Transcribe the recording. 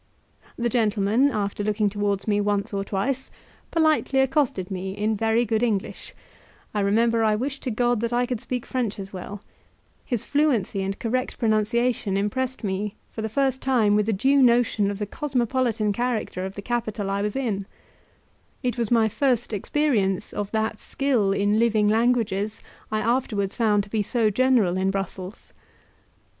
The gentleman, after looking towards me once or twice, politely accosted me in very good English; I remember I wished to God that I could speak French as well; his fluency and correct pronunciation impressed me for the first time with a due notion of the cosmopolitan character of the capital I was in; it was my first experience of that skill in living languages I afterwards found to be so general in Brussels.